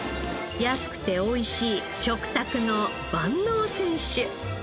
安くておいしい食卓の万能選手。